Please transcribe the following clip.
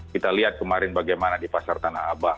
kita lihat kemarin bagaimana di pasar tanah abang